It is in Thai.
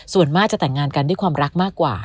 ส่วนมากจะแต่งงานกันด้วยความรักมากกว่า